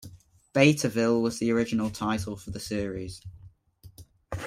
"Betaville" was the original title for the series.